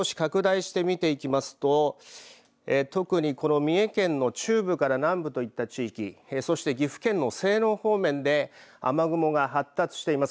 少し拡大して見ていきますと特にこの三重県の中部から南部といった地域そして岐阜県の西濃方面で雨雲が発達しています。